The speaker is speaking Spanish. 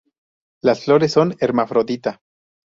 Las flores son hermafrodita.